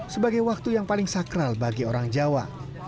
sebagai waktu yang paling sakral bagi orang jawa